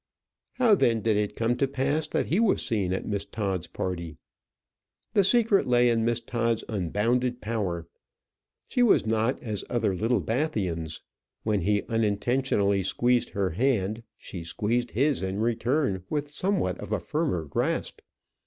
How then did it come to pass that he was seen at Miss Todd's party? The secret lay in Miss Todd's unbounded power. She was not as other Littlebathians. When he unintentionally squeezed her hand, she squeezed his in return with somewhat of a firmer grasp.